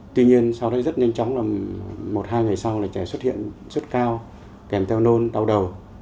tuy nhiên sau đó rất nhanh chóng là một hai ngày sau là trẻ xuất hiện sốt cao kèm theo non đau đầu